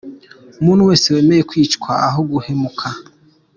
Muntu wese wemeye kwicwa aho guhemuka